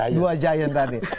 dua jayen tadi